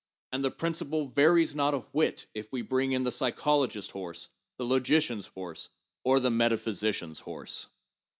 And the principle varies not a whit if we bring in the psychologist's horse, the logician's horse or the meta physician's horse.